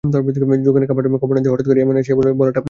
যোগেন, খবর না দিয়া হঠাৎ এমন করিয়া আসিয়া পড়াটা ভালো হয় নাই।